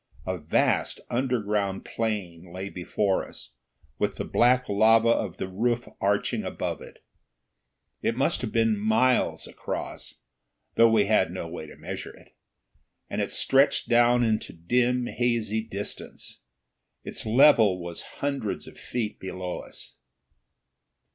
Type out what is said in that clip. A vast underground plain lay before us, with the black lava of the roof arching above it. It must have been miles across, though we had no way to measure it, and it stretched down into dim hazy distance. Its level was hundreds of feet below us.